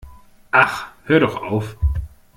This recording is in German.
Ach, hör doch auf!